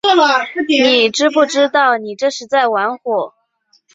你知不知道你这是在玩火